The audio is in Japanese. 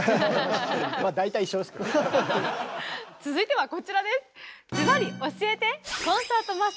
続いてはこちらです。